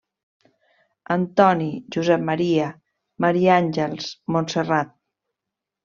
Antoni, Josep Maria, Maria Àngels, Montserrat.